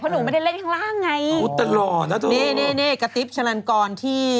เพราะหนูไม่ได้เล่นข้างล่างไงอ๋อตลอดน่ะเธอนี่นี่นี่กระติ๊บชลันกรที่